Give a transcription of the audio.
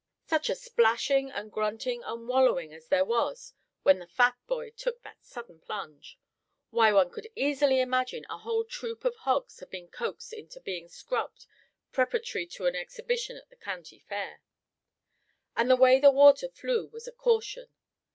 Such a splashing and grunting and wallowing as there was when the fat boy took that sudden plunge; why, one could easily imagine a whole troop of hogs had been coaxed in to being scrubbed, preparatory to an exhibition at the county fair. And the way the water flew was a caution.